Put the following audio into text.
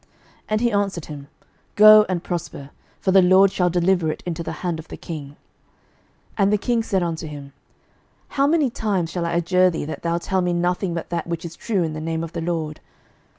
And he answered him, Go, and prosper: for the LORD shall deliver it into the hand of the king. 11:022:016 And the king said unto him, How many times shall I adjure thee that thou tell me nothing but that which is true in the name of the LORD?